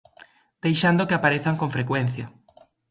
Deixando que aparezan con frecuencia.